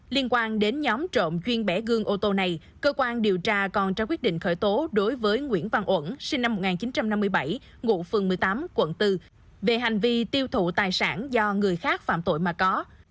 liên quan đến nhóm trộm chuyên bẻ gương ô tô này cơ quan điều tra còn trao quyết định khởi tố đối với nguyễn văn uẩn sinh năm một nghìn chín trăm năm mươi bảy ngụ phường một mươi tám quận bốn về hành vi tiêu thụ tài sản do người khác phạm tội mà có